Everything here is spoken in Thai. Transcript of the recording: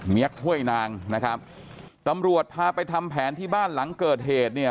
กห้วยนางนะครับตำรวจพาไปทำแผนที่บ้านหลังเกิดเหตุเนี่ย